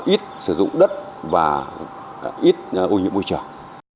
ít sử dụng đất và ít ô nhiễm môi trường